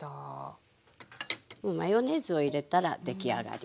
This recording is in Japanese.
マヨネーズを入れたら出来上がり。